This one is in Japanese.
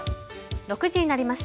６時になりました。